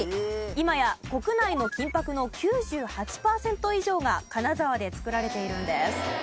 今や国内の金箔の９８パーセント以上が金沢で作られているんです。